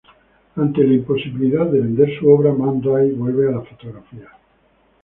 Ante la imposibilidad de vender su obra, Man Ray vuelve a la fotografía.